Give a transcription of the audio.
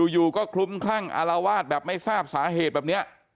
อยู่ก็คลุ้มคลั่งอารวาสแบบไม่ทราบสาเหตุแบบนี้